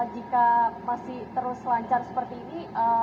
jika masih terus lancar seperti ini